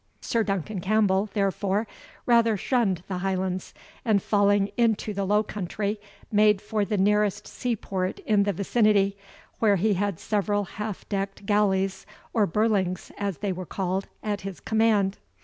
Sir Duncan Campbell, therefore, rather shunned the Highlands, and falling into the Low country, made for the nearest seaport in the vicinity, where he had several half decked galleys, or birlings, as they were called, at his command.